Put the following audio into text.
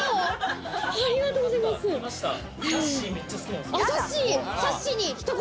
さっしー、めっちゃ好きなんですよ。